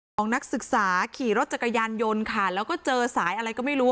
ของนักศึกษาขี่รถจักรยานยนต์ค่ะแล้วก็เจอสายอะไรก็ไม่รู้